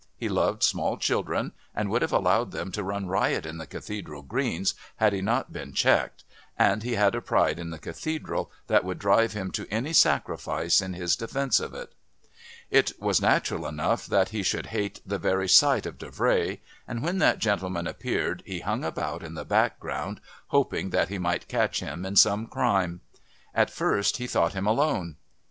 He loved small children and would have allowed them to run riot on the Cathedral greens had he not been checked, and he had a pride in the Cathedral that would drive him to any sacrifice in his defence of it. It was natural enough that he should hate the very sight of Davray, and when that gentleman appeared he hung about in the background hoping that he might catch him in some crime. At first he thought him alone.